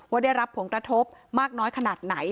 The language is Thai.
ได้รับผลกระทบมากน้อยขนาดไหน